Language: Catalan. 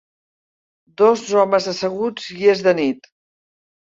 Dos homes asseguts i és de nit.